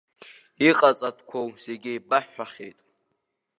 Иҟаҵатәқәоу зегьы еибаҳҳәахьеит.